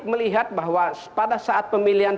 melihat bahwa pada saat pemilihan